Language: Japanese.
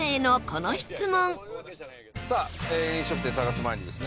飲食店探す前にですね